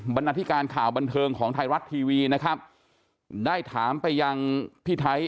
นาธิการข่าวบันเทิงของไทยรัฐทีวีนะครับได้ถามไปยังพี่ไทย